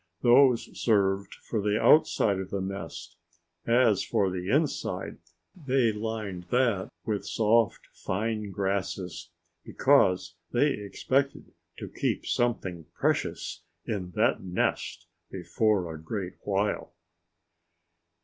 Those served for the outside of the nest. As for the inside, they lined that with soft, fine grasses, because they expected to keep something precious in that nest before a great while.